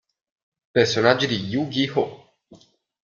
Personaggi di Yu-Gi-Oh!